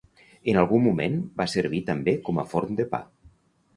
En algun moment va servir també com a forn de pa.